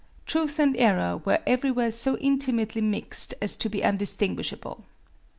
Truth and error were everywhere so intimately mixed as to be undistinguishable.